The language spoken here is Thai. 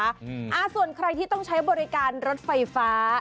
อ่าส่วนใครที่ต้องใช้บริการรถไฟฟ้า